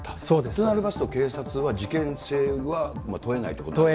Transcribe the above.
となりますと、警察は事件性はもう問えないということですか。